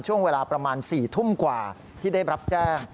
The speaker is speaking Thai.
ช่วงเวลาประมาณ๔ทุ่มกว่าที่ได้รับแจ้ง